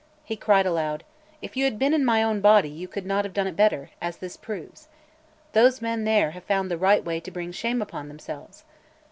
He cried aloud: "If you had been in my own body, you could not have done it better, as this proves. Those men there have found the right way to bring shame upon themselves!"